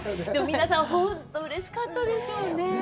皆さん、本当にうれしかったでしょうね。